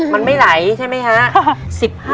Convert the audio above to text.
มันไม่ไหลใช่ไหมฮะ